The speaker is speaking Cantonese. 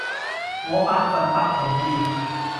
我百份百同意